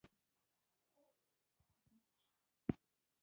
د سټرینګ تیوري وایي چې اساسي ذرات وایبریشن دي.